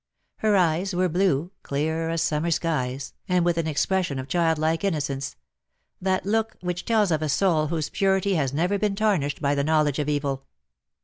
Her eyes were blue, clear as summer skies, and with an expression of childlike innocence — that look which tells of a soul whose purity has never been tarnished by the knowledge of evil.